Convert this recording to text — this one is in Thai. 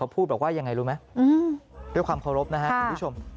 พูดบอกว่ายังไงรู้ไหมด้วยความเคารพนะครับคุณผู้ชม